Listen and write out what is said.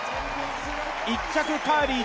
１着カーリー